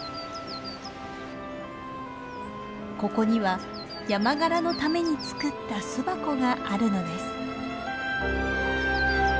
ここにはヤマガラのために作った巣箱があるのです。